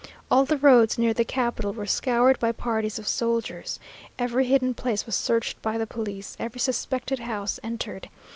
All the roads near the capital were scoured by parties of soldiers. Every hidden place was searched by the police; every suspected house entered.